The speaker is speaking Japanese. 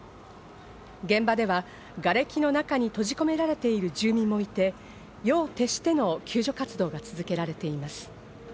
現場では、がれきの中に閉じ込められている住民もいて夜を徹しての救助活動が続けられています。